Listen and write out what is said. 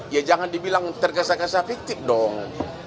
ya jangan dibilang tergesa gesa fitip dong